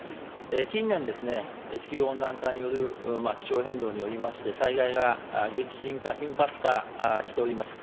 近年ですね、地球温暖化による気象変動によりまして、災害が激甚化、頻発化しております。